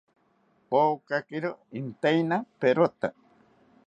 Pokakiro intaina perota